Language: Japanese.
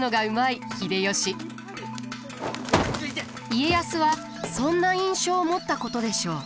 家康はそんな印象を持ったことでしょう。